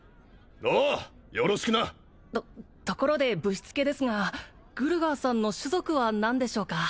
おうよろしくなとところでぶしつけですがグルガーさんの種族は何でしょうか？